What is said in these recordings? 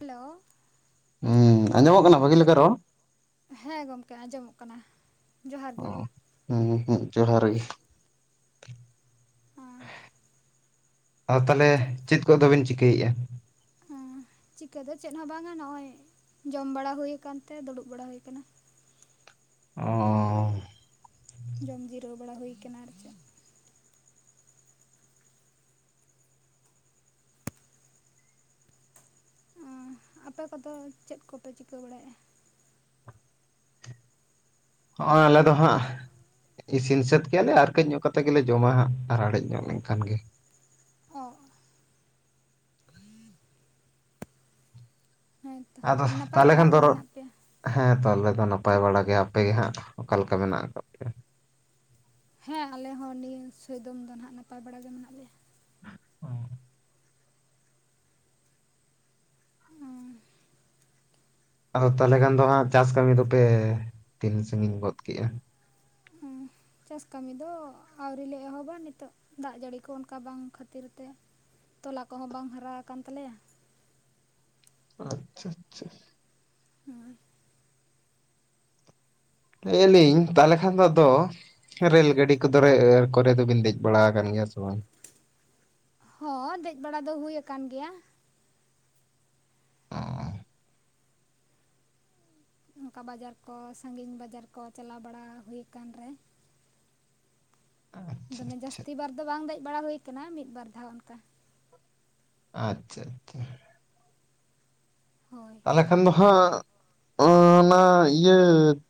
Hello ᱦᱩᱸ ᱟᱸᱡᱚᱢᱚᱜ ᱠᱟᱱᱟ ᱵᱷᱟᱹᱜᱤ ᱞᱮᱠᱟ ᱨᱚᱲᱼᱼ ᱦᱮᱸ ᱜᱚᱢᱠᱮ ᱟᱸᱡᱚᱢᱚᱜ ᱠᱟᱱᱟ ᱡᱚᱸᱦᱟᱨ ᱚ ᱜᱮ᱾ ᱦᱩᱸ ᱦᱩᱸ ᱡᱚᱸᱦᱟᱨ ᱜᱮ᱾ ᱟᱫᱚ ᱛᱟᱦᱚᱞᱮ ᱪᱮᱫ ᱠᱚ ᱫᱚᱵᱮᱱ ᱪᱤᱠᱟᱹᱭᱮᱫᱼᱟ? ᱦᱮᱸ ᱪᱤᱠᱟᱹ ᱫᱚ ᱪᱮᱫ ᱦᱚᱸ ᱵᱟᱝᱟ ᱱᱚᱜ ᱚᱚᱭ ᱡᱚᱢ ᱵᱟᱲᱟ ᱦᱩᱭᱩᱠᱟᱱ ᱛᱮ ᱫᱩᱲᱩᱵ ᱵᱟᱲᱟ ᱦᱩᱭ ᱟᱠᱟᱱᱟ ᱚᱼᱼ ᱡᱚᱢ ᱡᱤᱨᱟᱹᱣ ᱵᱟᱲᱟ ᱦᱩᱭ ᱟᱠᱟᱱᱟ ᱟᱨ ᱪᱮᱫ? ᱟᱯᱮ ᱠᱚᱫᱚ ᱪᱮᱫ ᱠᱚᱯᱮ ᱪᱤᱠᱟᱹ ᱵᱟᱲᱟᱭᱮᱫᱼᱟ? ᱦᱚᱸᱚᱭ ᱟᱞᱮ ᱫᱚ ᱦᱟᱸᱜᱼᱼ ᱤᱥᱤᱱ ᱥᱟᱹᱛ ᱠᱮᱭᱟᱞᱮ ᱟᱨ ᱠᱟᱹᱡ ᱧᱚᱜ ᱠᱟᱛᱮᱮᱫ ᱜᱮᱞᱮ ᱡᱚᱢᱟ ᱦᱟᱸᱜ ᱟᱨ ᱞᱟᱲᱮᱡ ᱧᱚᱜ ᱞᱮᱱᱠᱷᱟᱱ ᱜᱮ᱾ ᱚᱼᱼ ᱦᱮᱸᱛᱚ ᱟᱫᱚ ᱟᱨ ᱱᱟᱯᱟᱭ ᱛᱟᱦᱚᱞᱮ ᱵᱟᱲᱟ ᱠᱷᱟᱱ ᱫᱚ ᱜᱮ ᱨᱚᱲᱼᱼ ᱦᱮᱱᱟᱜ ᱯᱮᱭᱟ ᱦᱮᱸ ᱛᱚ ᱟᱞᱮ ᱫᱚ ᱱᱟᱯᱟᱭ ᱵᱟᱲᱟ ᱜᱮ ᱟᱯᱮ ᱜᱮ ᱦᱟᱸᱜ ᱚᱠᱟ ᱞᱮᱠᱟ ᱢᱮᱱᱟᱜ ᱟᱠᱟᱜ ᱯᱮᱭᱟ? ᱦᱮᱸ ᱟᱞᱮ ᱦᱚᱸ ᱱᱤᱭᱟᱹ ᱥᱚᱭᱫᱚᱢ ᱫᱚ ᱱᱦᱟᱸᱜ ᱱᱟᱯᱟᱭ ᱵᱟᱲᱟ ᱜᱮ ᱢᱮᱱᱟᱜ ᱞᱮᱭᱟ᱾ ᱚᱼᱼ ᱚᱸ᱾ ᱟᱫᱚ ᱛᱟᱦᱚᱞᱮ ᱠᱷᱟᱱ ᱫᱚ ᱦᱟᱸᱜ ᱪᱟᱥ ᱠᱟᱹᱢᱤ ᱫᱚᱯᱮ ᱛᱤᱱ ᱥᱟᱜᱤᱧ ᱜᱚᱫ ᱠᱮᱜᱼᱟ? ᱪᱟᱥ ᱠᱟᱹᱢᱤ ᱫᱚ ᱟᱹᱣᱨᱤ ᱞᱮ ᱮᱦᱚᱵᱟ ᱱᱤᱛᱚᱜ ᱫᱟᱜ ᱡᱟᱹᱲᱤ ᱠᱚ ᱚᱱᱠᱟ ᱵᱟᱝ ᱠᱷᱟᱹᱛᱤᱨ ᱛᱮ ᱛᱚᱞᱟ ᱠᱚᱦᱚᱸ ᱵᱟᱝ ᱦᱟᱨᱟ ᱟᱠᱟᱱ ᱛᱟᱞᱮᱭᱟ᱾ ᱟᱪᱪᱷᱟ ᱟᱪᱪᱷᱟ᱾ [unintelligible] ᱞᱟᱹᱭ ᱟᱞᱤᱧ ᱛᱟᱦᱚᱞᱮ ᱠᱷᱟᱱ ᱫᱚ ᱟᱫᱚ ᱨᱮᱹᱞ ᱜᱟᱹᱰᱤ ᱠᱚᱫᱚ ᱨᱮ ᱠᱚᱨᱮ ᱫᱚᱵᱤᱱ ᱫᱮᱡ ᱵᱟᱲᱟ ᱟᱠᱟᱱ ᱜᱮᱭᱟ ᱥᱮ ᱵᱟᱝ? ᱦᱚᱸ ᱫᱮᱡ ᱵᱟᱲᱟ ᱫᱚ ᱦᱩᱭ ᱟᱠᱟᱱ ᱜᱮᱭᱟ᱾ ᱚ᱾ ᱚᱱᱠᱟ ᱵᱟᱡᱟᱨ ᱠᱚ ᱥᱟᱺᱜᱤᱧ ᱵᱟᱡᱟᱨ ᱠᱚ ᱪᱟᱞᱟᱣ ᱵᱟᱲᱟ ᱦᱩᱭ ᱠᱟᱱ ᱨᱮ, ᱟᱪᱪᱷᱟ ᱫᱚᱢᱮ ᱟᱪᱪᱷᱟ ᱡᱟᱹᱥᱛᱤ ᱵᱟᱨ ᱫᱚ ᱵᱟᱝ ᱫᱮᱡ ᱵᱟᱲᱟ ᱦᱩᱭ ᱠᱟᱱᱟ ᱢᱤᱫ ᱵᱟᱨ ᱫᱷᱟᱣ ᱚᱱᱠᱟ᱾ ᱟᱪᱪᱷᱟ ᱟᱪᱪᱷᱟ᱾ ᱦᱳᱭ᱾ ᱛᱟᱞᱦᱮ ᱠᱷᱟᱱ ᱫᱚ ᱦᱟᱸᱜ ᱚᱱᱟ ᱤᱭᱟᱹ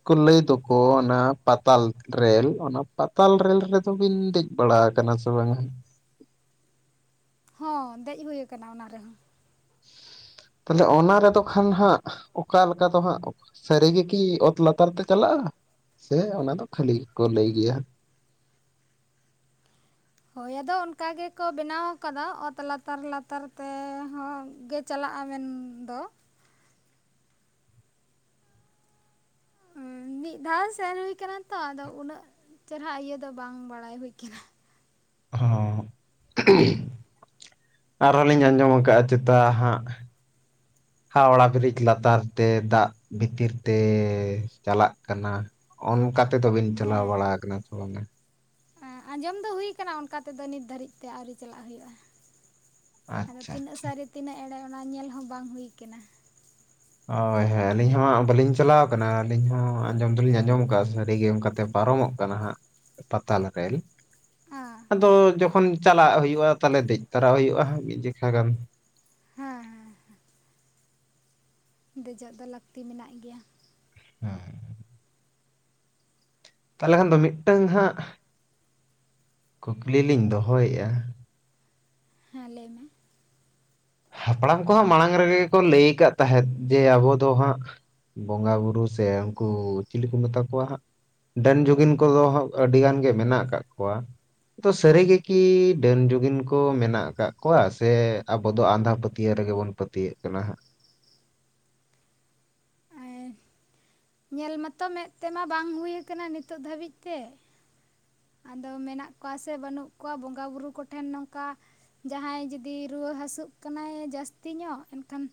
ᱠᱚ ᱞᱟᱹᱭ ᱫᱚᱠᱚ ᱚᱱᱟ ᱯᱟᱛᱟᱞ ᱨᱮᱞ ᱚᱱᱟ ᱯᱟ ᱛᱟᱞ ᱨᱮᱞ ᱨᱮᱫᱚ ᱵᱤᱱ ᱫᱮᱡ ᱵᱟᱲᱟ ᱟᱠᱟᱱᱟ ᱥᱮ ᱵᱟᱝ ᱦᱟᱸᱜ? ᱦᱚᱸ ᱫᱮᱡ ᱦᱩᱭ ᱟᱠᱟᱱᱟ ᱚᱱᱟ ᱨᱮᱦᱚᱸ᱾ ᱛᱟᱞᱦᱮ ᱚᱱᱟ ᱨᱮᱫᱚ ᱠᱷᱟᱱ ᱦᱟᱸᱜ ᱚᱠᱟ ᱞᱮᱠᱟ ᱫᱚ ᱦᱟᱸᱜ ᱚᱠᱟ ᱥᱟᱹᱨᱤ ᱜᱮ ᱠᱤ ᱚᱛ ᱞᱟᱛᱟᱨ ᱛᱮ ᱪᱟᱞᱟᱜ-ᱟ ᱥᱮ ᱚᱱᱟ ᱫᱚ ᱠᱷᱟᱹᱞᱤ ᱜᱮᱠᱚ ᱞᱟᱹᱭ ᱜᱮᱭᱟ ᱦᱟᱜ᱾ ᱦᱚᱭ ᱟᱫᱚ ᱚᱱᱠᱟ ᱜᱮ ᱠᱚ ᱵᱮᱱᱟᱣ ᱟᱠᱟᱫᱟ ᱚᱛ ᱞᱟᱛᱟᱨ ᱞᱟᱛᱟᱨ ᱛᱮ ᱦᱚᱸ ᱪᱟᱞᱟᱜᱟ ᱢᱮᱱ ᱫᱚ, ᱩᱸ, ᱢᱤᱫ ᱫᱷᱟᱣ ᱥᱮᱱ ᱦᱩᱭ ᱠᱟᱱᱟ ᱛᱚ ᱟᱫᱚ ᱩᱱᱟᱹᱜ ᱪᱮᱨᱦᱟ ᱤᱭᱟᱹ ᱫᱚ ᱵᱟᱝ ᱵᱟᱲᱟᱭ ᱦᱩᱭ ᱠᱟᱱᱟ᱾ ᱦᱚ [unintelligible] ᱟᱨ ᱦᱚᱸ ᱞᱤᱧ ᱟᱸᱡᱚᱢ ᱟᱠᱟᱜ-ᱟ ᱪᱮᱛᱟ ᱦᱟᱸᱜ ᱦᱟᱣᱲᱟ ᱵᱤᱨᱤᱡ ᱞᱟᱛᱟᱨ ᱛᱮ ᱫᱟᱜ ᱵᱷᱤᱛᱤᱨ ᱛᱮ ᱪᱟᱞᱟᱜ ᱠᱟᱱᱟ᱾ ᱚᱱᱠᱟ ᱛᱮᱫᱚ ᱵᱤᱱ ᱪᱟᱞᱟᱣ ᱦᱮᱸ ᱵᱟᱲᱟ ᱠᱟᱱᱟ ᱥᱮ ᱵᱟᱝᱟ? ᱟᱸᱡᱚᱢ ᱫᱚ ᱦᱩᱭ ᱠᱟᱱᱟ ᱚᱱᱠᱟ ᱛᱮᱫᱚ ᱱᱤᱛ ᱫᱷᱟᱹᱨᱤᱡ ᱛᱮ ᱟᱹᱣᱨᱤ ᱪᱟᱞᱟᱜ ᱦᱩᱭᱩᱜ-ᱟ᱾ ᱟᱫᱚ ᱟᱪᱪᱷᱟ ᱛᱤᱱᱟᱹᱜ ᱥᱟᱹᱨᱤ ᱛᱤᱱᱟᱹᱜ ᱮᱲᱮ ᱚᱱᱟ ᱧᱮᱞ ᱦᱚᱸ ᱵᱟᱝ ᱦᱩᱭ ᱠᱟᱱᱟ᱾ ᱦᱚᱭ ᱦᱚᱭ ᱟᱹᱞᱤᱧ ᱦᱚᱸ ᱵᱟᱹᱞᱤᱧ ᱪᱟᱞᱟᱣ ᱠᱟᱱᱟ ᱟᱹᱞᱤᱧ ᱦᱚᱸ ᱟᱸᱡᱚᱢ ᱫᱚᱞᱤᱧ ᱟᱸᱡᱚᱢ ᱠᱟᱜ-ᱟ ᱥᱟᱹᱨᱤ ᱜᱮ ᱚᱱᱠᱟᱛᱮ ᱯᱟᱨᱚᱢᱚᱜ ᱠᱟᱱᱟ ᱦᱟᱸᱜ ᱯᱟᱛᱟᱞ ᱨᱮᱞ, ᱚ ᱟᱫᱚ ᱡᱚᱠᱷᱚᱱ ᱪᱟᱞᱟᱜ ᱦᱩᱭᱩᱜ-ᱟ ᱛᱟᱞᱦᱮ ᱫᱮᱡ ᱛᱚᱨᱟ ᱦᱩᱭᱩᱜᱼᱟ ᱢᱤᱫ ᱡᱮᱠᱷᱟ ᱜᱟᱱ᱾ ᱦᱮᱸ ᱦᱮᱸ ᱦᱮᱸ᱾ ᱫᱮᱡᱚᱜ ᱫᱚ ᱞᱟᱹᱠᱛᱤ ᱢᱮᱱᱟᱜ ᱜᱮᱭᱟ᱾ ᱦᱮᱸ᱾ ᱛᱟᱦᱚᱞᱮ ᱠᱷᱟᱱ ᱫᱚ ᱢᱤᱫ ᱴᱟᱹᱝ ᱦᱟᱸᱜ ᱠᱩᱠᱞᱤ ᱞᱤᱧ ᱫᱚᱦᱚᱭᱮᱜ-ᱟ, ᱦᱮᱸ ᱞᱟᱹᱭ ᱢᱮ, ᱦᱟᱯᱲᱟᱢ ᱠᱚ ᱦᱟᱸᱜ ᱢᱟᱲᱟᱝ ᱨᱮᱜᱮ ᱠᱚ ᱞᱟᱹᱭ ᱠᱟᱜ ᱛᱟᱦᱮᱸᱫ ᱡᱮ ᱟᱵᱚ ᱫᱚ ᱦᱟᱸᱜ ᱵᱚᱸᱜᱟ ᱵᱩᱨᱩ ᱥᱮ ᱩᱱᱠᱩ ᱪᱤᱞᱤ ᱠᱚ ᱢᱮᱛᱟ ᱠᱚᱣᱟ ᱦᱟᱸᱜ ᱰᱟᱹᱱ ᱡᱩᱜᱤᱱ ᱠᱚ ᱫᱚ ᱟᱹᱰᱤ ᱜᱟᱱ ᱜᱮ ᱢᱮᱱᱟᱜ ᱟᱠᱟᱜ ᱠᱚᱣᱟ, ᱥᱟᱹᱨᱤ ᱜᱮ ᱠᱤ ᱰᱟᱹᱱ ᱡᱩᱜᱤᱱ ᱠᱚ ᱢᱮᱱᱟᱜ ᱟᱠᱟᱜ ᱠᱚᱣᱟ ᱥᱮ ᱟᱵᱚ ᱫᱚ ᱟᱸᱫᱷᱟ ᱯᱟᱹᱛᱭᱟᱹᱣ ᱨᱮᱜᱮ ᱵᱚᱱ ᱯᱟᱹᱛᱭᱟᱹᱜ ᱠᱟᱱᱟ ᱦᱟᱸᱜ? ᱮᱸ ᱧᱮᱞ ᱢᱟᱛᱚ ᱢᱮᱫ ᱛᱮᱢᱟ ᱵᱟᱝ ᱦᱩᱭ ᱠᱟᱱᱟ ᱱᱤᱛᱚᱜ ᱫᱷᱟᱹᱵᱤᱡ ᱛᱮ, ᱟᱫᱚ ᱢᱮᱱᱟᱜ ᱠᱚᱣᱟ ᱥᱮ ᱵᱟᱹᱱᱩᱜ ᱠᱚᱣᱟ ᱵᱚᱸᱜᱟ ᱵᱩᱨᱩ ᱠᱚᱴᱷᱮᱱ ᱱᱚᱝᱠᱟ ᱡᱟᱦᱟᱸᱭ ᱡᱩᱫᱤ ᱨᱩᱣᱟᱹ ᱦᱟᱹᱥᱩᱜ ᱠᱟᱱᱟᱭ ᱡᱟᱹᱥᱛᱤ ᱧᱚᱜ ᱮᱱᱠᱷᱟᱱ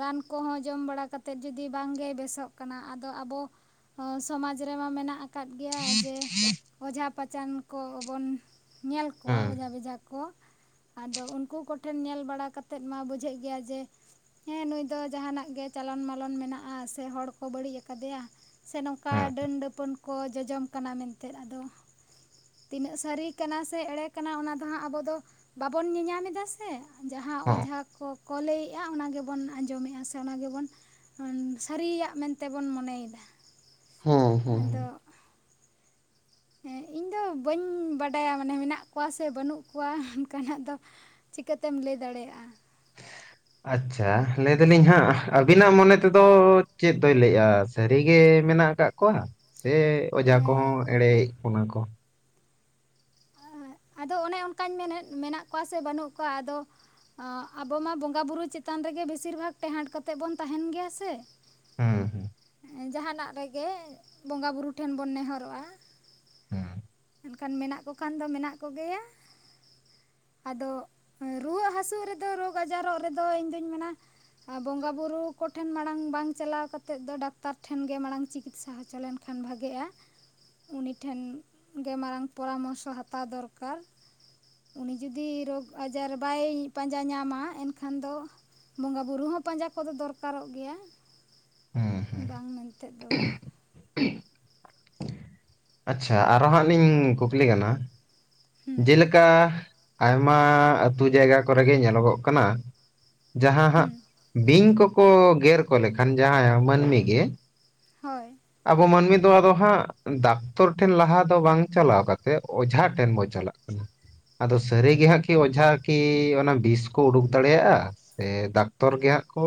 ᱨᱟᱱ ᱠᱚᱦᱚᱸ ᱡᱚᱢ ᱵᱟᱲᱟ ᱠᱟᱛᱮᱫ ᱡᱩᱫᱤ ᱵᱟᱝᱜᱮ ᱵᱮᱥᱚᱜ ᱠᱟᱱᱟ ᱟᱫᱚ ᱟᱵᱚ ᱥᱚᱢᱟᱡᱽ ᱨᱮᱢᱟ ᱢᱮᱱᱟᱜ ᱟᱠᱟᱫ ᱜᱮᱭᱟ ᱡᱮ ᱚᱡᱷᱟ ᱯᱟᱪᱟᱱ ᱠᱚᱵᱚᱱ ᱧᱮᱞ ᱠᱚᱣᱟ ᱚᱡᱷᱟ ᱵᱮᱡᱷᱟ ᱠᱚ ᱟᱫᱚ ᱩᱱᱠᱩ ᱠᱚ ᱴᱷᱮᱱ ᱧᱮᱞ ᱵᱟᱲᱟ ᱠᱟᱛᱮᱫ ᱢᱟ ᱵᱩᱡᱷᱟᱹᱜ ᱜᱮᱭᱟ ᱡᱮ ᱦᱮᱸ ᱱᱩᱭ ᱫᱚ ᱡᱟᱦᱟᱸᱱᱟᱜ ᱜᱮ ᱪᱟᱞᱚᱱ ᱢᱟᱞᱚᱱ ᱢᱮᱱᱟᱜᱼᱟ ᱥᱮ ᱦᱚᱲ ᱠᱚ ᱵᱟᱹᱲᱤᱡ ᱟᱠᱟᱫᱮᱭᱟ ᱾ ᱥᱮ ᱱᱚᱝᱠᱟ ᱦᱩᱸ ᱰᱟᱹᱱ ᱰᱟᱹᱯᱟᱹᱱ ᱠᱚ ᱡᱚᱡᱚᱢ ᱠᱟᱱᱟ ᱢᱮᱱᱛᱮᱫ ᱟᱫᱚ ᱛᱤᱱᱟᱹᱜ ᱥᱟᱹᱨᱤ ᱠᱟᱱᱟ ᱥᱮ ᱮᱲᱮ ᱠᱟᱱᱟ ᱚᱱᱟ ᱫᱚ ᱦᱟᱸᱜ ᱟᱵᱚ ᱫᱚ ᱵᱟᱵᱚᱱ ᱧᱮᱧᱟᱢ ᱮᱫᱟ ᱥᱮ ᱾ ᱡᱟᱦᱟᱸ ᱦᱩᱸ ᱚᱡᱷᱟ ᱠᱚ ᱠᱚ ᱞᱟᱹᱭᱮᱫᱼᱟ ᱚᱱᱟ ᱜᱮᱵᱚᱱ ᱟᱸᱡᱚᱢᱮᱫᱼᱟ ᱥᱮ ᱚᱱᱟ ᱜᱮᱵᱚᱱ ᱥᱟᱹᱨᱤᱭᱟᱜ ᱢᱮᱱᱛᱮᱵᱚᱱ ᱢᱚᱱᱮᱭᱮᱫᱟ ᱾ ᱦᱚᱸ ᱦᱚᱸ ᱦᱚᱸ ᱾ ᱦᱮᱸ ᱤᱧ ᱫᱚ ᱵᱟᱹᱧ ᱵᱟᱰᱟᱭᱟ ᱢᱟᱱᱮ ᱢᱮᱱᱟᱜ ᱠᱚᱣᱟ ᱥᱮ ᱵᱟᱹᱱᱩᱜ ᱠᱚᱣᱟ ᱚᱱᱠᱟᱱᱟᱜ ᱫᱚ ᱾ ᱪᱤᱠᱟᱹ ᱛᱮᱢ ᱞᱟᱹᱭ ᱫᱟᱲᱮᱭᱟᱜᱼᱟ ᱾ ᱟᱪᱪᱷᱟ ᱞᱟᱹᱭᱫᱟᱞᱤᱧ ᱦᱟᱸᱜ ᱟᱹᱵᱤᱱᱟᱜ ᱢᱚᱱᱮ ᱛᱮᱫᱚ ᱪᱮᱫ ᱫᱚᱭ ᱞᱟᱹᱭᱮᱫᱼᱟ ᱥᱟᱹᱨᱤᱜᱮ ᱢᱮᱱᱟᱜ ᱠᱟᱜ ᱠᱚᱣᱟ ᱥᱮ ᱚᱡᱷᱟ ᱠᱚᱦᱚᱸ ᱮᱲᱮᱭᱮᱫ ᱵᱚᱱᱟ ᱠᱚ ᱾ ᱟᱫᱚ ᱚᱱᱮ ᱚᱱᱠᱟᱧ ᱢᱮᱱᱮᱫ ᱢᱮᱱᱟᱜ ᱠᱚᱣᱟ ᱥᱮ ᱵᱟᱹᱱᱩᱜ ᱠᱚᱣᱟ ᱟᱫᱚ ᱟ ᱟᱵᱚ ᱢᱟ ᱵᱚᱸᱜᱟ ᱵᱩᱨᱩ ᱪᱮᱛᱟᱱ ᱨᱮᱜᱮ ᱵᱮᱥᱤᱨ ᱵᱷᱟᱜᱽ ᱴᱮᱦᱟᱸᱴ ᱠᱟᱛᱮᱜ ᱵᱚᱱ ᱛᱟᱦᱮᱱ ᱜᱮᱭᱟ ᱥᱮ ᱾ ᱦᱮᱸ ᱦᱮᱸ ᱾ ᱡᱟᱦᱟᱸᱱᱟᱜ ᱨᱮᱜᱮ ᱵᱚᱸᱜᱟ ᱵᱩᱨᱩ ᱴᱷᱮᱱ ᱵᱚᱱ ᱱᱮᱦᱚᱨᱚᱜᱼᱟ ᱾ ᱦᱮᱸ ᱾ ᱮᱱᱠᱷᱟᱱ ᱢᱮᱱᱟᱜ ᱠᱚ ᱠᱷᱟᱱ ᱫᱚ ᱢᱮᱱᱟᱜ ᱠᱚᱜᱮᱭᱟ ᱾ ᱟᱫᱚ ᱨᱩᱣᱟᱹᱜ ᱦᱟᱹᱥᱩᱜ ᱨᱮᱫᱚ ᱨᱳᱜᱽ ᱟᱡᱟᱨᱚᱜ ᱨᱮᱫᱚ ᱤᱧᱫᱩᱧ ᱢᱮᱱᱟ ᱟ ᱵᱚᱸᱜᱟ ᱵᱩᱨᱩ ᱠᱚᱴᱷᱮᱱ ᱢᱟᱲᱟᱝ ᱵᱟᱝ ᱪᱟᱞᱟᱣ ᱠᱟᱛᱮᱫ ᱫᱚ ᱰᱟᱠᱛᱟᱨ ᱴᱷᱮᱱ ᱜᱮ ᱢᱟᱲᱟᱝ ᱪᱤᱠᱤᱛᱥᱟ ᱦᱚᱪᱚ ᱞᱮᱱ ᱠᱷᱟᱱ ᱵᱷᱟᱜᱮᱜᱼᱟ ᱩᱱᱤ ᱴᱷᱮᱱ ᱜᱮ ᱢᱟᱨᱟᱝ ᱯᱚᱨᱟᱢᱚᱨᱥᱚ ᱦᱟᱛᱟᱣ ᱫᱚᱨᱠᱟᱨ ᱾ ᱩᱱᱤ ᱡᱩᱫᱤ ᱨᱳᱜᱽ ᱟᱡᱟᱨ ᱵᱟᱭ ᱯᱟᱸᱡᱟ ᱧᱟᱢᱟ ᱮᱱᱠᱷᱟᱱ ᱫᱚ ᱵᱚᱸᱜᱟ ᱵᱩᱨᱩ ᱦᱚᱸ ᱯᱟᱸᱡᱟ ᱠᱚᱫᱚ ᱫᱚᱨᱠᱟᱨᱚᱜ ᱜᱮᱭᱟ ᱦᱩᱸ ᱦᱩᱸ ᱵᱟᱝ ᱢᱮᱱᱛᱮᱫ ᱫᱚ ᱵᱟᱝ ᱾ ᱟᱪᱪᱷᱟ ᱟᱨᱦᱚᱸ ᱦᱟᱸᱜ ᱞᱤᱧ ᱠᱩᱠᱞᱤ ᱠᱟᱱᱟ? ᱦᱩᱸ ᱡᱮᱞᱮᱠᱟ ᱟᱭᱢᱟ ᱟᱹᱛᱩ ᱡᱟᱭᱜᱟ ᱠᱚᱨᱮᱜᱮ ᱧᱮᱞᱚᱜᱚᱜ ᱠᱟᱱᱟ ᱾ ᱡᱟᱦᱟᱸ ᱦᱟᱸᱜ ᱦᱩᱸ ᱵᱤᱧ ᱠᱚᱠᱚ ᱜᱮᱨ ᱠᱚ ᱞᱮᱠᱷᱟᱱ ᱡᱟᱦᱟᱸᱭ ᱢᱟᱹᱱᱢᱤ ᱜᱮ ᱾ ᱦᱳᱭ ᱾ ᱟᱵᱚ ᱢᱟᱹᱱᱢᱤ ᱫᱚ ᱟᱫᱚ ᱦᱟᱸᱜ ᱰᱟᱠᱛᱚᱨ ᱴᱷᱮᱱ ᱞᱟᱦᱟ ᱫᱚ ᱵᱟᱝ ᱪᱟᱞᱟᱣ ᱠᱟᱛᱮᱫ ᱚᱡᱷᱟ ᱴᱷᱮᱱ ᱵᱚ ᱪᱟᱞᱟᱜ ᱠᱟᱱᱟ ᱟᱫᱚ ᱥᱟᱹᱨᱤᱜᱮ ᱦᱟᱸᱜ ᱠᱤ ᱚᱡᱷᱟ ᱠᱤ ᱚᱱᱟ ᱵᱤᱥ ᱠᱚ ᱩᱰᱩᱠ ᱫᱟᱲᱮᱭᱟᱜᱼᱟ? ᱥᱮ ᱰᱟᱠᱛᱚᱨ ᱜᱮ ᱦᱟᱸᱜ ᱠᱚ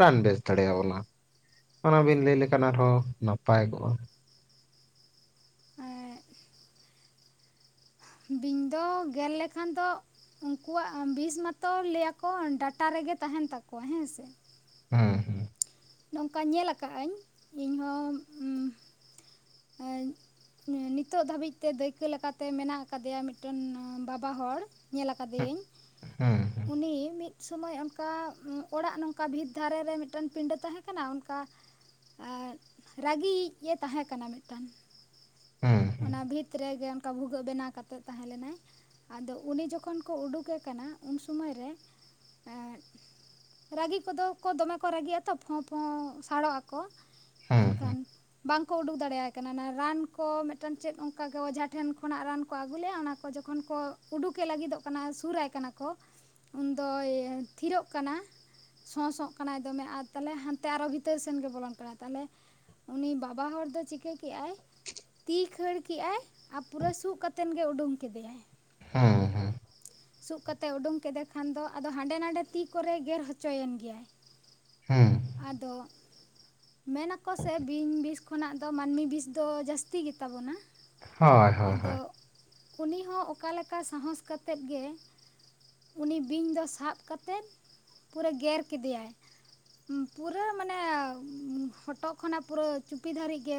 ᱨᱟᱱ ᱵᱮᱥ ᱫᱟᱲᱮᱭᱟᱵᱚᱱᱟ ᱾ ᱚᱱᱟᱵᱤᱱ ᱞᱟᱹᱭ ᱞᱮᱠᱷᱟᱱ ᱟᱨᱦᱚᱸ ᱱᱟᱯᱟᱭ ᱠᱚᱜᱼᱟ ᱾ [inaudible] ᱵᱤᱧ ᱫᱚ ᱜᱮᱨ ᱞᱮᱠᱷᱟᱱ ᱫᱚ ᱩᱱᱠᱩᱣᱟᱜ ᱵᱤᱥ ᱢᱟᱛᱚ ᱞᱟᱹᱭᱟᱠᱚ ᱰᱟᱴᱟ ᱨᱮᱜᱮ ᱛᱟᱦᱮᱱ ᱛᱟᱠᱚᱣᱟ ᱦᱮᱸ ᱥᱮ ᱾ ᱦᱮᱸ ᱦᱮᱸ ᱾ ᱱᱚᱝᱠᱟ ᱧᱮᱞ ᱟᱠᱟᱜᱟᱹᱧ ᱤᱧᱦᱚᱸ ᱱᱤᱛᱚᱜ ᱫᱷᱟᱹᱵᱤᱡ ᱛᱮ ᱫᱟᱹᱭᱠᱟᱹ ᱞᱮᱠᱟᱛᱮ ᱢᱮᱱᱟᱜ ᱟᱠᱟᱫᱮᱭᱟ ᱢᱤᱫᱴᱮᱱ ᱵᱟᱵᱟ ᱦᱚᱲ ᱾ ᱧᱮᱞ ᱟᱠᱟᱫᱮᱭᱟᱹᱧ ᱾ ᱦᱮᱸ ᱾ ᱩᱱᱤ ᱢᱤᱫ ᱥᱚᱢᱚᱭ ᱚᱱᱠᱟ ᱚᱲᱟᱜ ᱱᱚᱝᱠᱟ ᱵᱷᱤᱛ ᱫᱷᱟᱨᱮ ᱨᱮ ᱢᱤᱫᱴᱮᱱ ᱯᱤᱸᱰᱟᱹ ᱛᱟᱦᱮᱸ ᱠᱟᱱᱟ ᱚᱱᱠᱟ ᱨᱟᱹᱜᱤᱭᱤᱡ ᱮ ᱛᱟᱦᱮᱸ ᱠᱟᱱᱟ ᱢᱤᱫᱴᱟᱝ᱾ ᱦᱩᱸ᱾ ᱦᱩᱸ ᱚᱱᱟ ᱵᱷᱤᱛ ᱨᱮᱜᱮ ᱚᱱᱠᱟ ᱵᱷᱩᱜᱟᱹᱜ ᱵᱮᱱᱟᱣ ᱠᱟᱛᱮᱫ ᱛᱟᱦᱮᱸ ᱞᱮᱱᱟᱭ᱾ ᱟᱫᱚ ᱩᱱᱤ ᱡᱚᱠᱷᱚᱱ ᱠᱚ ᱩᱰᱩᱠᱮ ᱠᱟᱱᱟ ᱩᱱ ᱥᱩᱢᱟᱹᱭᱨᱮ ᱮᱫ ᱨᱟᱹᱜᱤ ᱠᱚᱫᱚ ᱠᱚ ᱫᱚᱢᱮ ᱠᱚ ᱨᱟᱹᱜᱤᱜ-ᱟ ᱛᱚ ᱯᱷᱚᱸ ᱯᱷᱚᱸ ᱥᱟᱲᱚᱜ-ᱟ ᱠᱚ᱾ ᱦᱩᱸ ᱮᱱᱠᱷᱟᱱ ᱦᱩᱸ ᱵᱟᱝᱠᱚ ᱩᱰᱩᱠ ᱫᱟᱲᱮᱭᱟᱜ ᱠᱟᱱᱟ ᱚᱱᱟ ᱨᱟᱱ ᱠᱚ ᱴᱟᱱ ᱪᱮᱫ ᱚᱱᱠᱟ ᱜᱮ ᱚᱡᱷᱟ ᱴᱷᱮᱱ ᱠᱷᱚᱱᱟᱜ ᱨᱟᱱ ᱠᱚ ᱟᱹᱜᱩ ᱞᱮᱜ-ᱟ ᱚᱱᱟ ᱠᱚ ᱡᱚᱠᱷᱚᱱ ᱠᱚ ᱩᱰᱩᱠᱮ ᱞᱟᱹᱜᱤᱫᱚᱜ ᱠᱟᱱᱟ ᱥᱩᱨᱟᱭ ᱠᱟᱱᱟ ᱠᱚ ᱩᱱᱫᱚᱭ ᱛᱷᱤᱨᱚᱜ ᱠᱟᱱᱟ᱾ ᱥᱚᱸ ᱥᱚᱜ ᱠᱟᱱᱟᱭ ᱫᱚᱢᱮ ᱟᱨ ᱛᱟᱦᱞᱮ ᱦᱟᱱᱛᱮ ᱟᱨᱚ ᱵᱷᱤᱛᱟᱹᱨ ᱥᱮᱱ ᱜᱮ ᱵᱚᱞᱚᱱ ᱠᱟᱱᱟᱭ ᱛᱟᱦᱚᱞᱮ ᱩᱱᱤ ᱵᱟᱵᱟ ᱦᱚᱲ ᱫᱚ ᱪᱤᱠᱟᱹ ᱠᱮᱜ-ᱟᱭ [inaudible] ᱛᱤ ᱠᱷᱟᱹᱲ ᱠᱮᱜᱟᱭ ᱟᱨ ᱯᱩᱨᱟᱹ ᱥᱩᱜ ᱠᱟᱛᱮᱱ ᱜᱮ ᱩᱰᱩᱝ ᱠᱮᱫᱮᱭᱟᱭ᱾ ᱦᱩᱸ ᱦᱩᱸ᱾ ᱥᱩᱜ ᱠᱟᱛᱮ ᱩᱰᱩᱝ ᱠᱮᱫᱮ ᱠᱷᱟᱱ ᱫᱚ ᱟᱫᱚ ᱦᱟᱸᱰᱮ ᱱᱟᱰᱮ ᱛᱤ ᱠᱚᱨᱮᱭ ᱜᱮᱨ ᱦᱚᱪᱚᱭᱮᱱ ᱜᱮᱭᱟᱭ᱾ ᱦᱩᱸ᱾ ᱟᱫᱚ ᱢᱮᱱᱟᱠᱚ ᱥᱮ ᱵᱤᱧ ᱵᱤᱥ ᱠᱷᱚᱱᱟᱜ ᱫᱚ ᱢᱟᱹᱱᱢᱤ ᱵᱤᱥ ᱫᱚ ᱡᱟᱹᱥ ᱛᱤ ᱜᱮᱛᱟ ᱵᱚᱱᱟ ᱦᱳᱭ ᱦᱳᱭ ᱟᱫᱚ ᱦᱳᱭ ᱩᱱᱤ ᱦᱚᱸ ᱚᱠᱟ ᱞᱮᱠᱟ ᱥᱟᱦᱚᱥ ᱠᱟᱛᱮᱫ ᱜᱮ ᱩᱱᱤ ᱵᱤᱧ ᱫᱚ ᱥᱟᱵ ᱠᱟᱛᱮᱜ ᱯᱩᱨᱟᱹ ᱜᱮᱨ ᱠᱮᱫᱮᱭᱟᱭ᱾ ᱯᱩᱨᱟᱹ ᱢᱟᱱᱮ ᱦᱚᱴᱚᱜ ᱠᱷᱚᱱᱟᱜ ᱯᱩᱨᱟᱹ ᱪᱩᱯᱤ ᱫᱷᱟᱹᱨᱤᱡ ᱜᱮ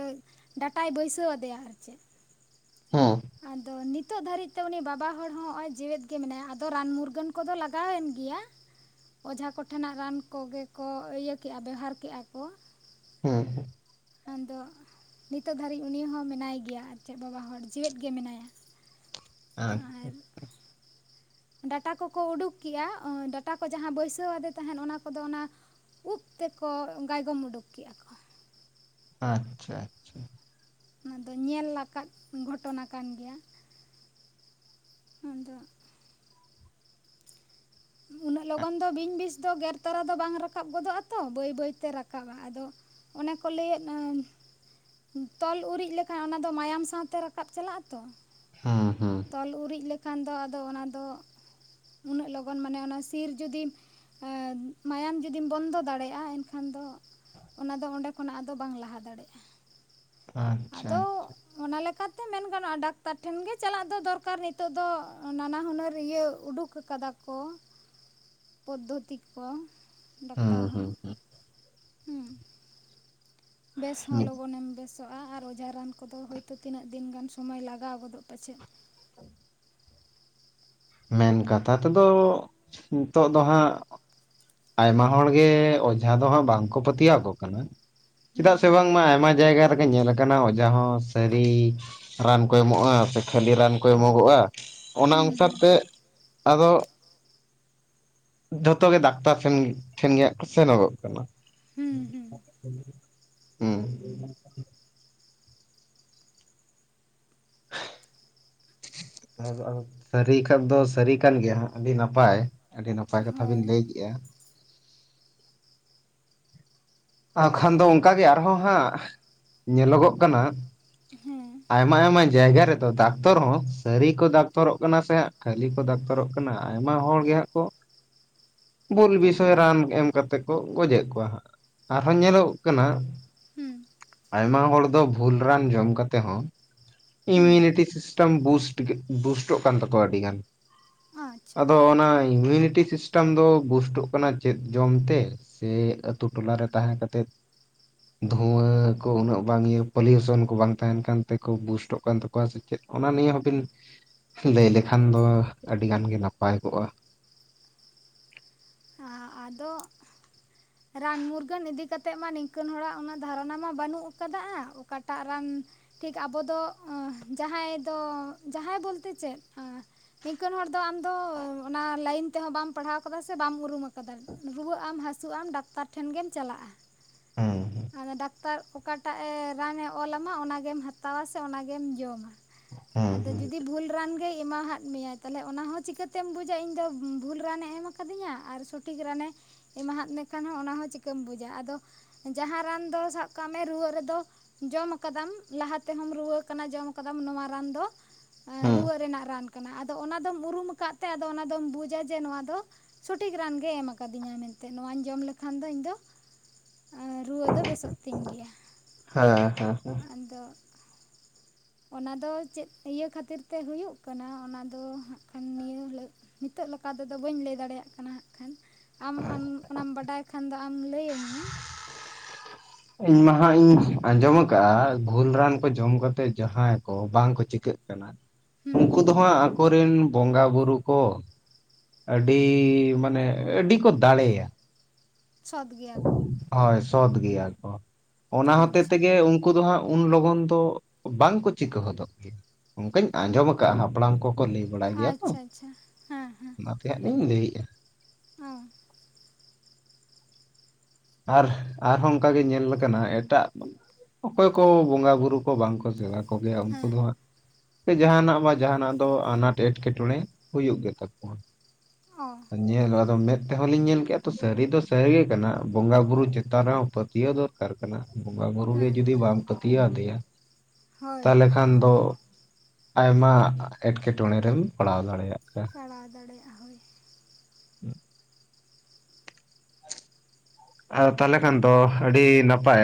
ᱰᱟᱴᱟᱭ ᱵᱟᱹᱭᱥᱟᱹ ᱣᱟᱫᱮᱭᱟ ᱟᱨ ᱪᱮᱫ᱾ ᱦᱩᱸ᱾ ᱟᱫᱚ ᱱᱤᱛᱳ ᱫᱷᱟᱹᱨᱤᱡ ᱛᱮ ᱩᱱᱤ ᱵᱟᱵᱟ ᱦᱚᱲ ᱦᱚᱸ ᱦᱚᱜᱚᱭ ᱡᱮᱣᱮᱫ ᱜᱮ ᱢᱮᱱᱟᱭᱟ ᱟᱫᱚ ᱨᱟᱱ ᱢᱩᱨᱜᱟᱹᱱ ᱠᱚᱫᱚ ᱞᱟᱜᱟᱣᱮᱱ ᱜᱮᱭᱟ᱾ ᱚᱡᱷᱟ ᱠᱚᱴᱷᱮᱱᱟᱜ ᱨᱟᱱ ᱠᱚᱜᱮ ᱠᱚ ᱤᱭᱟᱹ ᱠᱮᱜ-ᱟ ᱵᱮᱣᱦᱟᱨ ᱠᱮᱜᱟ ᱠᱚ᱾ ᱦᱩᱸ ᱠᱷᱟᱱ ᱫᱚ ᱱᱤᱛᱚᱜ ᱫᱷᱟᱹᱨᱤᱡ ᱩᱱᱤ ᱦᱚᱸ ᱢᱮᱱᱟᱭ ᱜᱮᱭᱟ ᱟᱨ ᱪᱮᱜ ᱵᱟᱵᱟ ᱦᱚᱲ ᱡᱮᱣᱮᱫ ᱜᱮ ᱢᱮᱱᱟᱭᱟ᱾ ᱟᱪ ᱟᱨ ᱰᱟᱴᱟ ᱠᱚᱠᱚ ᱩᱰᱩᱠ ᱠᱮᱜ-ᱟ ᱰᱟᱴᱟ ᱠᱚ ᱡᱟᱦᱟᱸ ᱵᱟᱹᱭᱥᱟᱹᱣ ᱟᱫᱮ ᱛᱟᱦᱮᱱ ᱚᱱᱟ ᱠᱚᱫᱚ ᱚᱱᱟ ᱩᱵ ᱛᱮᱠᱚ ᱜᱟᱭᱜᱚᱢ ᱩᱰᱩᱠ ᱠᱮᱜ-ᱟ ᱠᱚ᱾ ᱟᱪᱪᱷᱟ ᱟᱪᱪᱷᱟ ᱚᱱᱟ ᱫᱚ ᱧᱮᱞ ᱟᱠᱟᱜ ᱜᱷᱚᱴᱚᱱᱟ ᱠᱟᱱ ᱜᱮᱭᱟ ᱟᱫᱚ ᱩᱱᱟᱹᱜ ᱞᱚᱜᱚᱱ ᱫᱚ ᱵᱤᱧ ᱵᱤᱥ ᱫᱚ ᱜᱮᱨ ᱛᱚᱨᱟ ᱫᱚ ᱵᱟᱝ ᱨᱟᱠᱟᱵ ᱜᱚᱫᱚᱜ ᱟᱛᱚ ᱵᱟᱹᱭ ᱵᱟᱹᱭᱛᱮ ᱨᱟᱠᱟᱵᱟ ᱟᱫᱚ ᱚᱱᱮ ᱠᱚ ᱞᱟᱹᱭᱮᱫ ᱟ ᱛᱚᱞ ᱩᱨᱤᱡ ᱞᱮᱠᱷᱟᱱ ᱚᱱᱟᱫᱚ ᱢᱟᱭᱟᱢ ᱥᱟᱶᱛᱮ ᱨᱟᱠᱟᱵ ᱪᱟᱞᱟᱜ-ᱟ ᱛᱚ᱾ ᱦᱩᱸ ᱦᱩᱸ᱾ ᱛᱚᱞ ᱩᱨᱤᱡ ᱞᱮᱠᱷᱟᱱ ᱫᱚ ᱟᱫᱚ ᱚᱱᱟ ᱫᱚ ᱩᱱᱟᱹᱜ ᱞᱚᱜᱚᱱ ᱢᱟᱱᱮ ᱚᱱᱟ ᱥᱤᱨ ᱡᱩᱫᱤᱢ ᱢᱟᱭᱟᱢ ᱡᱩᱫᱤᱢ ᱵᱚᱱᱫᱚ ᱫᱟᱲᱮᱭᱟᱜ-ᱟ ᱮᱱᱠᱷᱟᱱ ᱫᱚ ᱚᱱᱟᱫᱚ ᱚᱸᱰᱮ ᱠᱷᱚᱱᱟᱜ ᱟᱫᱚ ᱵᱟᱝ ᱞᱟᱦᱟ ᱫᱟᱲᱮᱜᱼᱟ᱾ ᱟᱪᱪᱷᱟ ᱟᱫᱚ ᱚᱱᱟ ᱞᱮᱠᱟᱛᱮ ᱢᱮᱱ ᱜᱟᱱᱚᱜᱼᱟ ᱰᱟᱠᱛᱟᱨ ᱴᱷᱮᱱ ᱜᱮ ᱪᱟᱞᱟᱜ ᱫᱚ ᱫᱚᱨᱠᱟᱨ ᱱᱤᱛᱚᱜ ᱫᱚ ᱱᱟᱱᱟ ᱦᱩᱱᱟᱹᱨ ᱤᱭᱟᱹ ᱩᱰᱩᱠ ᱠᱟᱫᱟ ᱠᱚ᱾ [inaudible] ᱯᱚᱫᱽᱫᱷᱚᱛᱤ ᱠᱚ ᱰᱟᱠᱛᱟᱨ ᱦᱩᱸ ᱦᱚᱸ ᱦᱩᱸ ᱦᱩᱸ ᱦᱩᱸ᱾ ᱵᱮᱥ ᱦᱚᱸ ᱞᱚᱜᱚᱱᱮᱢ ᱵᱮᱥ ᱚᱜᱼᱟ ᱟᱨ ᱚᱡᱷᱟ ᱨᱟᱱ ᱠᱚᱫᱚ ᱦᱳᱭᱛᱳ ᱛᱤᱱᱟᱹᱜ ᱫᱤᱱ ᱜᱟᱱ ᱥᱚᱢᱚᱭ ᱞᱟᱜᱟᱣ ᱜᱚᱫᱚᱜ ᱯᱟᱪᱷᱮᱫ, [inaudible] ᱢᱮᱱ ᱠᱟᱛᱷᱟ ᱛᱮᱫᱚᱻᱜ ᱱᱤᱛᱚᱜ ᱫᱚ ᱦᱟᱸᱜ ᱟᱭᱢᱟ ᱦᱚᱲ ᱜᱮ ᱚᱡᱷᱟ ᱫᱚ ᱦᱟᱸᱜ ᱵᱟᱝᱠᱚ ᱯᱟᱹᱛᱭᱟᱹᱣᱟᱠᱚ ᱠᱟᱱᱟ, ᱪᱮᱫᱟᱜ ᱥᱮ ᱦᱩᱸ ᱵᱟᱝ ᱢᱟ ᱟᱭᱢᱟ ᱡᱟᱭᱜᱟ ᱨᱮᱜᱮ ᱧᱮᱞ ᱞᱟ- ᱠᱟᱱᱟ ᱚᱡᱷᱟ ᱥᱟᱹᱨᱤ ᱨᱟᱱ ᱠᱚ ᱮᱢᱚᱜᱼᱟ ᱥᱮ ᱠᱷᱟᱹᱞᱤ ᱨᱟᱱ ᱠᱚ ᱮᱢᱚᱜᱚᱜᱼᱟ, ᱚᱱᱟ ᱦᱩᱸ ᱚᱸᱥᱟᱨ ᱦᱩᱸ ᱛᱮᱜ ᱟᱫᱚᱜ ᱡᱚᱛᱚ ᱜᱮ ᱫᱟᱠᱛᱟᱨ ᱛᱷᱮᱱ ᱴᱷᱮᱱ ᱜᱮ ᱦᱟᱸᱜ ᱠᱚ ᱥᱮᱱᱚᱜᱚᱜ ᱠᱟᱱᱟ᱾ ᱦᱩᱸ ᱦᱩᱸ [unintelligible] ᱦᱩᱸ, [unintelligible] ᱟᱫᱚ ᱟᱢ ᱥᱟᱹᱨᱤ ᱠᱷᱟᱱ ᱫᱚ ᱥᱟᱹᱨᱤ ᱠᱟᱱ ᱜᱮᱭᱟ ᱦᱟᱸᱜ ᱟᱹᱰᱤ ᱱᱟᱯᱟᱭ᱾ ᱟᱹᱰᱤ ᱱᱟᱯᱟᱭ ᱠᱟᱛᱷᱟ ᱵᱤᱱ ᱦᱳᱭ ᱞᱟᱹᱭ ᱠᱮᱜᱼᱟ, ᱟᱠᱷᱟᱱ ᱫᱚ ᱚᱸᱠᱟᱜᱮ ᱜᱮ ᱟᱨᱦᱚᱸ ᱦᱟᱸᱜ ᱧᱮᱞᱚᱜᱚᱜ ᱠᱟᱱᱟ, ᱦᱮᱸ, ᱟᱭᱢᱟ ᱟᱭᱢᱟ ᱡᱟᱭᱜᱟ ᱨᱮᱫᱚ ᱫᱟᱠᱛᱚᱨ ᱦᱚᱸ ᱥᱟᱹᱨᱤ ᱠᱚ ᱫᱟᱠᱛᱚᱨᱚᱜ ᱠᱟᱱᱟ ᱥᱮ ᱦᱟᱸᱜ ᱠᱷᱟᱹᱞᱤ ᱠᱚ ᱫᱟᱠᱛᱚᱨᱚᱜ ᱠᱟᱱᱟ, ᱟᱭᱢᱟ ᱦᱚᱲ ᱜᱮ ᱦᱟᱸᱜ ᱠᱚᱜ ᱵᱩᱞ ᱵᱤᱥᱚᱭ ᱨᱟᱱ ᱮᱢ ᱠᱟᱛᱮ ᱠᱚ ᱜᱚᱡᱽ ᱮᱫ ᱠᱚᱣᱟ ᱦᱟᱸᱜ᱾ ᱟᱨᱦᱚᱸ ᱧᱮᱞᱚᱜᱚᱜ ᱠᱟᱱᱟ ᱦᱩᱸ ᱟᱭᱢᱟ ᱦᱚᱲ ᱫᱚ ᱵᱷᱩᱞ ᱨᱟᱱ ᱡᱚᱢ ᱠᱟᱛᱮ ᱦᱚᱸ ᱦᱩᱸ ᱤᱢᱤᱞᱤᱴᱤ ᱥᱤᱥᱴᱟᱢ ᱵᱩᱥᱴ ᱜᱮ ᱵᱩᱥᱴᱚᱜ ᱠᱟᱱ ᱛᱟᱠᱚᱣᱟ ᱟᱹᱰᱤ ᱜᱟᱱ᱾ ᱟᱪᱪᱷᱟ ᱟᱫᱚ ᱚᱱᱟ ᱤᱢᱤᱞᱤᱴᱤ ᱥᱤᱥᱴᱟᱢ ᱫᱚ ᱵᱩᱥᱴᱚᱜ ᱠᱟᱱᱟ ᱪᱮᱫ ᱡᱚᱢ ᱛᱮ, ᱥᱮ ᱟᱹᱛᱩ ᱴᱚᱞᱟ ᱨᱮ ᱛᱟᱦᱮᱸ ᱠᱟᱛᱮᱫ, ᱫᱷᱩᱶᱟ ᱠᱚ ᱩᱱᱟᱹᱜ ᱵᱟᱝ ᱤᱭᱟᱹ ᱯᱟᱹᱞᱩᱭᱩᱥᱚᱱ ᱠᱚ ᱵᱟᱝ ᱛᱟᱦᱮᱱ ᱠᱟᱱ ᱛᱮᱠᱚ ᱵᱩᱥ ᱴᱚᱜ ᱠᱟᱱ ᱛᱟᱠᱚᱣᱟ ᱥᱮ ᱪᱮᱫ ᱚᱱᱟ ᱱᱤᱭᱟᱹ ᱦᱚᱸ ᱵᱤᱱ ᱞᱟᱹᱭ ᱞᱮᱠᱷᱟᱱ ᱫᱚ ᱟᱹᱰᱤ ᱜᱟᱱ ᱜᱮ ᱱᱟᱯᱟᱭ ᱠᱚᱜᱼᱟ? ᱟ ᱟᱫᱚᱜ [inaudible] ᱨᱟᱱ ᱢᱩᱨᱜᱟᱹᱱ ᱤᱫᱤ ᱠᱟᱛᱮᱜ ᱢᱟ ᱱᱤᱝᱠᱟᱹᱱ ᱦᱚᱲᱟᱜ ᱩᱱᱟᱹᱜ ᱫᱷᱟᱨᱚᱱᱟ ᱢᱟ ᱵᱟᱹᱱᱩᱜ ᱟᱠᱟᱫᱟᱜᱼᱟ, ᱚᱠᱟᱴᱟᱜ ᱨᱟᱱ ᱴᱷᱤᱠ ᱟᱵᱚ ᱫᱚᱻᱜ ᱩᱸ ᱡᱟᱦᱟᱸᱭ ᱫᱚ ᱡᱟᱦᱟᱸᱭ ᱵᱚᱞᱛᱮ ᱪᱮᱫ ᱮᱸ ᱱᱤᱝᱠᱟᱹᱱ ᱦᱚᱲ ᱫᱚ ᱟᱢᱫᱚ ᱚᱱᱟ ᱞᱟᱹᱭᱤᱱ ᱛᱮᱦᱚᱸ ᱵᱟᱢ ᱯᱟᱲᱦᱟᱣ ᱟᱠᱟᱫᱟ ᱥᱮ ᱵᱟᱢ ᱩᱨᱩᱢ ᱟ- ᱠᱟᱫᱟ, ᱨᱩᱣᱟᱹᱜᱼᱟᱢ ᱦᱟᱹᱥᱩᱜᱼᱟᱢ ᱰᱟᱠᱛᱟᱨ ᱴᱷᱮᱱ ᱜᱮᱢ ᱪᱟᱞᱟᱜᱼᱟ᱾ ᱦᱩᱸ, ᱟᱫᱚ ᱰᱟᱠᱛᱟᱨ ᱚᱠᱟᱴᱟᱜ ᱮ ᱨᱟᱱᱮ ᱚᱞ ᱞᱟᱢᱟ ᱚᱱᱟᱜᱮᱢ ᱦᱟᱛᱟᱣᱟ ᱥᱮ ᱚᱱᱟᱜᱮᱢ ᱡᱚᱢᱼᱟ᱾ [unintelligible] ᱟᱫᱚ ᱡᱩᱫᱤ ᱵᱷᱩᱞ ᱨᱟᱱ ᱜᱮ ᱮᱢᱟ ᱦᱟᱫ ᱢᱮᱭᱟ ᱛᱟᱦᱮᱞᱮ ᱚᱱᱟ ᱦᱚᱸ ᱪᱤᱠᱟᱹ ᱛᱮᱢ ᱵᱩᱡᱽᱼᱟ ᱤᱧ ᱫᱚ ᱵᱷᱩᱞ ᱨᱟᱱ ᱮ ᱮᱢ ᱟᱠᱟᱫᱤᱧᱟ ᱟᱨ ᱥᱚᱴᱤᱠ ᱨᱟᱱᱼᱮ ᱮᱢᱟ ᱦᱟᱫ ᱢᱮᱠᱷᱟᱱ ᱦᱚᱸ ᱚᱱᱟᱦᱚᱸ ᱪᱤᱠᱟᱹᱢ ᱵᱩᱡᱽᱼᱟ, ᱟᱫᱚ ᱡᱟᱦᱟᱸ ᱨᱟᱱ ᱫᱚ ᱥᱟᱵ ᱠᱟᱜ ᱢᱮ ᱨᱩᱣᱟᱹᱜ ᱨᱮᱫᱚ ᱡᱚᱢ ᱟᱠᱟᱫᱟᱢ ᱞᱟᱦᱟ ᱛᱮᱦᱚᱸᱢ ᱨᱩᱣᱟᱹ ᱦᱟᱠᱟᱱᱟ ᱡᱚᱢ ᱟᱠᱟᱫᱟᱢ ᱱᱚᱣᱟ ᱨᱟᱱ ᱫᱚ ᱦᱩᱸ ᱮᱸ ᱦᱩᱸ ᱨᱩᱣᱟᱹᱜ ᱨᱮᱱᱟᱜ ᱨᱟᱱ ᱠᱟᱱᱟ, ᱟᱫᱚ ᱚᱱᱟ ᱫᱚᱢ ᱩᱨᱩᱢ ᱟᱠᱟᱫ ᱛᱮ ᱟᱫᱚ ᱚᱱᱟ ᱫᱚᱢ ᱵᱩᱡᱽᱼᱟ ᱡᱮ ᱱᱚᱣᱟ ᱫᱚ ᱥᱩᱴᱤᱠ ᱨᱟᱱ ᱜᱮ ᱮᱢ ᱟᱠᱟᱫᱤᱧᱟ ᱢᱮᱱᱛᱮᱫ ᱱᱚᱣᱟᱹᱧ ᱡᱚᱢ ᱞᱮᱠᱷᱟᱱ ᱫᱚ ᱤᱧ ᱫᱚ ᱟᱸ ᱨᱩᱣᱟᱹ ᱫᱚ ᱵᱮᱥᱚᱜ ᱛᱤᱧ ᱜᱮᱭᱟ, ᱦᱮᱸ ᱦᱮᱸ ᱟᱸᱫᱚ ᱚᱱᱟ ᱫᱚ ᱪᱮᱫ ᱤᱭᱟᱹ ᱠᱷᱟᱹᱛᱤᱨ ᱛᱮ ᱦᱩᱭᱩᱜ ᱠᱟᱱᱟ, ᱚᱱᱟ ᱫᱚ ᱦᱟᱸᱜ ᱠᱷᱟᱱ ᱱᱤᱭᱟᱹ ᱦᱤᱞᱟᱹᱜ ᱱᱤᱛᱚᱜ ᱱᱚᱠᱟ ᱛᱮᱫᱚ ᱵᱟᱹᱧ ᱞᱟᱹᱭ ᱫᱟᱲᱮᱭᱟᱜ ᱠᱟᱱᱟ ᱦᱟᱸᱜ ᱠᱷᱟᱱ? ᱟᱢ ᱟᱢ ᱚᱱᱟᱢ ᱵᱟᱰᱟᱭ ᱠᱷᱟᱱ ᱫᱚ ᱟᱢ ᱞᱟᱹᱭ ᱟᱧ ᱢᱮ᱾ ᱤᱧ ᱢᱟ ᱦᱟᱸᱜ ᱤᱧ ᱟᱸᱡᱚᱢ ᱟᱠᱟᱜᱼᱟ ᱜᱷᱩᱞ ᱨᱟᱱ ᱠᱚ ᱡᱚᱢ ᱠᱟᱛᱮᱜ ᱡᱟᱦᱟᱸᱭ ᱠᱚ ᱵᱟᱝ ᱠᱚ ᱪᱤᱠᱟᱹᱜ ᱠᱟᱱᱟ ᱦᱩᱸ ᱩᱸᱠᱩ ᱫᱚ ᱦᱟᱸᱜ ᱟᱠᱚ ᱨᱮᱱ ᱵᱚᱸᱜᱟ ᱵᱩᱨᱩ ᱠᱚ ᱟᱹᱰᱤ ᱢᱟᱱᱮ ᱟᱹᱰᱤ ᱠᱚ ᱫᱟᱲᱮᱭᱟ᱾ ᱥᱚᱛ ᱜᱮᱭᱟ ᱠᱚ᱾ ᱦᱳᱭ ᱥᱚᱛ ᱜᱮᱭᱟ ᱠᱚ ᱚᱱᱟ ᱦᱚᱛᱮ ᱟᱪᱪᱷᱟ ᱛᱮᱜᱮᱼᱼ ᱩᱱᱠᱩ ᱫᱚ ᱦᱟᱸᱜ ᱩᱱ ᱞᱚᱜᱚᱱ ᱫᱚ ᱵᱟᱝ ᱠᱚ ᱪᱤᱠᱟᱹ ᱦᱚᱫᱚᱜ ᱜᱮᱭᱟ ᱚᱱᱠᱟᱧ ᱟᱸᱡᱚᱢ ᱟᱠᱟᱫᱼᱟ ᱦᱟᱯᱲᱟᱢ ᱠᱚᱼᱼ ᱠᱚ ᱞᱟᱹᱭ ᱵᱟᱲᱟᱭ ᱜᱮᱭᱟ ᱛᱚ ᱟᱪᱪᱷᱟ ᱟᱪᱪᱷᱟ ᱚᱱᱟᱛᱮ ᱦᱟᱸᱜ ᱞᱤᱧ ᱞᱟᱹᱭᱮᱜᱼᱟ᱾ ᱦᱩᱸ᱾ ᱟᱨ ᱟᱨᱦᱚᱸ ᱚᱱᱠᱟᱜ ᱜᱮ ᱧᱮᱞᱟᱠᱟᱱᱟ ᱮᱴᱟᱜᱼᱼ ᱚᱠᱚᱭ ᱠᱚ ᱵᱚᱸᱜᱟᱼᱵᱩᱨᱩ ᱠᱚ ᱵᱟᱝᱠᱚ ᱥᱮᱵᱟ ᱠᱚᱜᱮᱭᱟ ᱩᱱᱠᱩ ᱦᱮᱸ ᱫᱚ ᱦᱟᱸᱜᱼᱼ ᱥᱮ ᱡᱟᱦᱱᱟᱜ ᱵᱟ ᱡᱟᱦᱟᱱᱟᱜ ᱫᱚ ᱟᱱᱟᱴ ᱮᱸᱴᱠᱮᱴᱚᱬᱮ ᱦᱩᱭᱩᱜ ᱜᱮᱛᱟ ᱠᱚᱣᱟ᱾ ᱚᱼᱼ ᱧᱮᱞ ᱦᱚ ᱟᱫᱚ ᱢᱮᱸᱫ ᱛᱮᱦᱚᱸᱞᱤᱧ ᱧᱮᱞ ᱠᱮᱫᱼᱟ ᱛᱚ ᱥᱟᱹᱨᱤ ᱫᱚ ᱥᱟᱹᱨᱤᱜ ᱜᱮ ᱠᱟᱱᱟ ᱵᱚᱸᱜᱟ ᱵᱩᱨᱩ ᱪᱮᱛᱟᱱ ᱨᱮᱦᱚᱸ ᱯᱟᱹᱛᱤᱭᱟᱹᱣ ᱫᱚᱼᱼ ᱫᱚᱨᱠᱟᱨ ᱠᱟᱱᱟ ᱵᱚᱸᱜᱟᱼ ᱵᱩᱨᱩ ᱜᱮ ᱦᱮᱸ ᱡᱩᱫᱤ ᱵᱟᱢ ᱯᱟᱹᱛᱤᱭᱟᱹᱣ ᱟᱫᱮᱭᱟᱼᱼ ᱦᱳᱭ ᱛᱟᱦᱚᱞᱮ ᱦᱳᱭ ᱠᱷᱟᱱ ᱫᱚ ᱟᱭᱢᱟ ᱮᱸᱴᱠᱮᱴᱚᱬᱮ ᱨᱮᱢ ᱯᱟᱲᱟᱣ ᱫᱟᱲᱮᱭᱟᱜ ᱠᱟᱱᱟᱼᱼ ᱯᱟᱲᱟᱣ ᱫᱟᱲᱮᱭᱟᱜ-ᱟ ᱦᱳᱭ᱾ ᱦᱮᱸ [unintelligible] ᱟᱨ [unintelligible] ᱟᱨ ᱛᱟᱦᱚᱞᱮ ᱠᱷᱟᱱ ᱫᱚ ᱟᱹᱰᱤ ᱱᱟᱯᱟᱭ